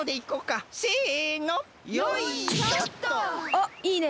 あっいいね。